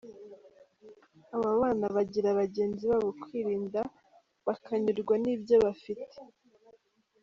Aba bana bagira bagenzi babo kwirinda, bakanyurwa n’ibyo bafite.